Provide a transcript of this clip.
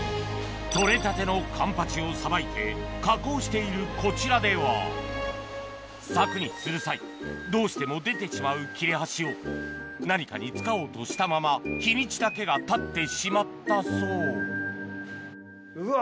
取れたてのカンパチをさばいて加工しているこちらではサクにする際どうしても出てしまう切れ端を何かに使おうとしたまま日にちだけがたってしまったそううわ